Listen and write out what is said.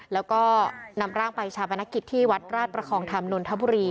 แล้วก็นำร่างไปชาปนกิจที่วัดราชประคองธรรมนนทบุรี